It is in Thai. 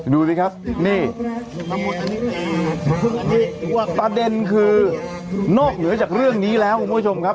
ดูสิครับนี่ประเด็นคือนอกเหนือจากเรื่องนี้แล้วคุณผู้ชมครับ